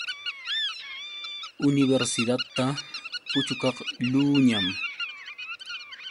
Universidadta puchukaqluuñam.